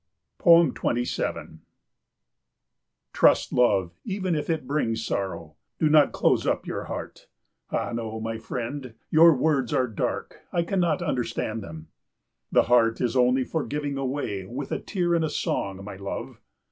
27 "Trust love even if it brings sorrow. Do not close up your heart." "Ah no, my friend, your words are dark, I cannot understand them." "The heart is only for giving away with a tear and a song, my love."